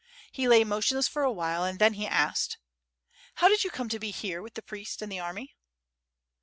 ... He lay motionless for awhile and then he asked: "How did you come to be here with the priest and the army?"